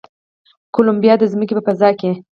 کولمبیا د ځمکې په فضا کې